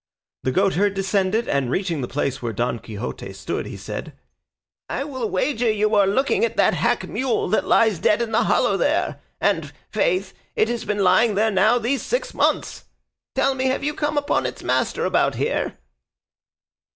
The goatherd descended, and reaching the place where Don Quixote stood, he said, "I will wager you are looking at that hack mule that lies dead in the hollow there, and, faith, it has been lying there now these six months; tell me, have you come upon its master about here?"